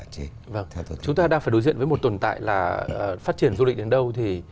chúng ta đang phải đối diện với một tồn tại là phát triển du lịch đến đâu thì